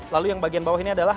lalu yang bagian bawah ini adalah